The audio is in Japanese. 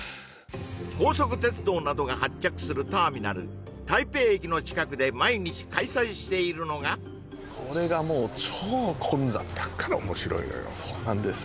高速鉄道などが発着するターミナル台北駅の近くで毎日開催しているのがこれがもう超混雑だから面白いのよそうなんです